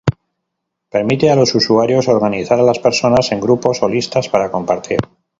Permite a los usuarios organizar a las personas en grupos o listas para compartir.